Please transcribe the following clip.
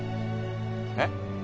えっ？